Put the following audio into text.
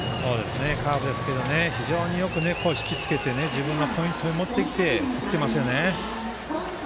カーブでしたが非常によくひきつけて自分のポイントに持ってきて打ってますよね。